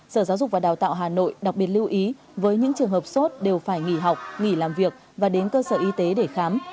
sở giáo dục và đào tạo hà nội đặc biệt lưu ý với những trường hợp sốt đều phải nghỉ học nghỉ làm việc và đến cơ sở y tế để khám